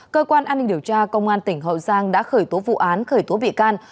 cơ quan an ninh điều tra công an tỉnh hậu giang đã khởi tố vụ án khởi tố bị can